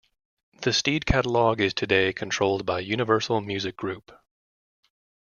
The Steed catalogue is today controlled by Universal Music Group.